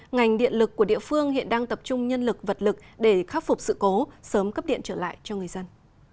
ngành điện lực của địa phương hiện đang tập trung nhân lực vật lực để khắc phục sự cố sớm cấp điện trở lại cho người dân